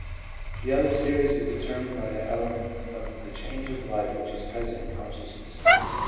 The other series is determined by that element of the change of life which is present in consciousness.